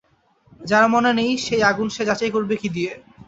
যার মনে নেই সেই আগুন সে যাচাই করবে কী দিয়ে।